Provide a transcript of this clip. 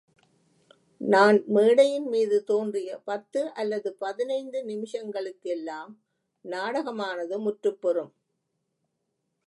நான் மேடையின்மீது தோன்றிய பத்து அல்லது பதினைந்து நிமிஷங்களுக்கெல்லாம் நாடகமானது முற்றுப் பெறும்!